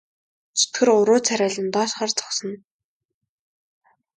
Чөтгөр уруу царайлан доош харж зогсоно.